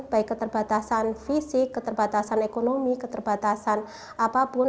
baik keterbatasan fisik keterbatasan ekonomi keterbatasan apapun